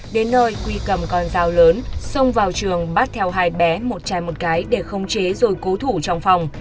đến nơi quy cầm con dao lớn xông vào trường bắt theo hai bé một chai một cái để khống chế rồi cố thủ trong phòng